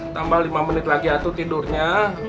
tambah lima menit lagi atau tidurnya